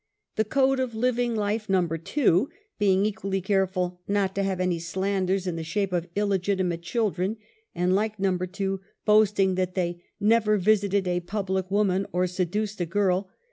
The code of living life ISTo. 2, being equally careful not to have any slanders in the shape of illegitimate children, and like No. 2, boasting that they "never ^visited a public woman, or seduced a girl.'"